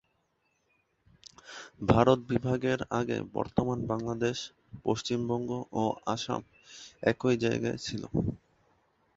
ভারত বিভাগের আগে বর্তমান বাংলাদেশ, পশ্চিমবঙ্গ, ও আসাম একই জায়গা ছিল।